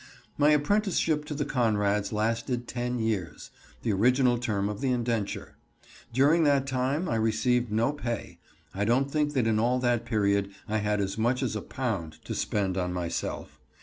My apprenticeship to the Conrads lasted ten years, the original term of the indenture. During that time I received no pay. I don't think that in all that period I had as much as a pound to spend on myself.